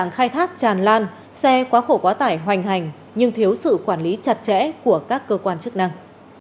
khai thác tràn lan xe quá khổ quá tải hoành hành nhưng thiếu sự quản lý chặt chẽ của các cơ quan chức năng